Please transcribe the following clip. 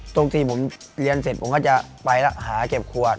ตรงที่ผมเรียนเสร็จผมก็จะไปแล้วหาเก็บขวด